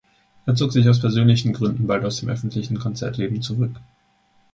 Er zog sich aus persönlichen Gründen bald aus dem öffentlichen Konzertleben zurück.